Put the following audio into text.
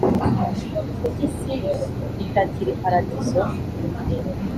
Kuki isi itakiri paradizo?